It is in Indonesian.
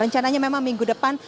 rencananya memang minggu depan